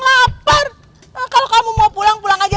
tak perkah kamu mau pulang pulang aja